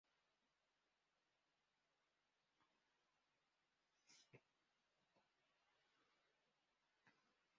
Además, tocaba como pianista sustituto en varias bandas musicales.